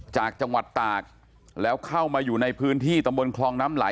จากจังหวัดตากแล้วเข้ามาอยู่ในพื้นที่ตำบลคลองน้ำไหล